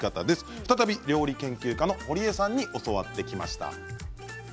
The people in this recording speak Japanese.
再び料理研究家の堀江さんに教わってきました。